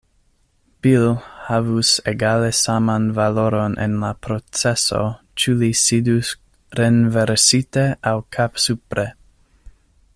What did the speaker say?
"Bil" havus egale saman valoron en la proceso, ĉu li sidus renversite aŭ kapsupre.